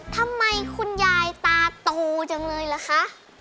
ทำไมคุณยายตาโตจังเลยล่ะคะ